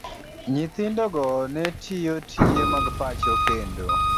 Nyithindogo ne tiyo tije mag pacho, kendo